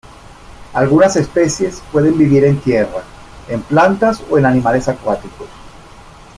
Algunas especies pueden vivir en tierra, en plantas o en animales acuáticos.